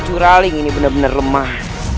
juraling memang lemah